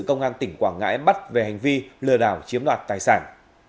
công an tỉnh quảng ngãi bắt về hành vi lừa đảo chiếm đoạt tài sản